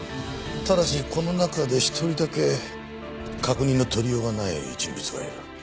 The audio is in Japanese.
ただしこの中で一人だけ確認の取りようがない人物がいる。